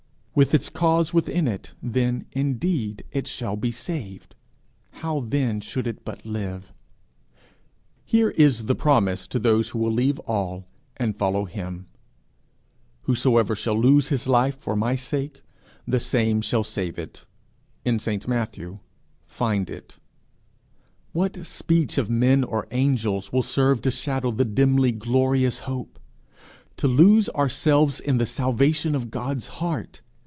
With its cause within it, then, indeed, it shall be saved! how then should it but live! Here is the promise to those who will leave all and follow him: 'Whosoever shall lose his life, for my sake, the same shall save it,' in St. Matthew, 'find it.' What speech of men or angels will serve to shadow the dimly glorious hope! To lose ourselves in the salvation of God's heart!